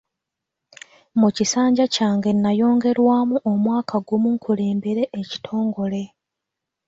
Mu kisanja kyange nayongerwamu omwaka gumu nkulembere ekitongole.